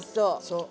そう。